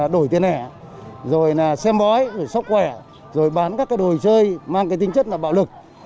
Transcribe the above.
đổi tiền hẻ xem bói sốc khỏe bán các đồ chơi mang tính chất bạo lực